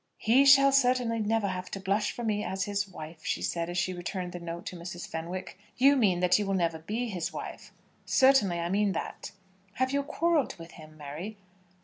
"He shall certainly never have to blush for me as his wife," she said, as she returned the note to Mrs. Fenwick. "You mean, that you never will be his wife?" "Certainly I mean that." "Have you quarrelled with him, Mary?"